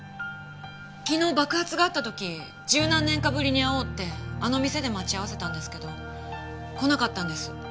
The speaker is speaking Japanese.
昨日爆発があった時十何年かぶりに会おうってあの店で待ち合わせたんですけど来なかったんです。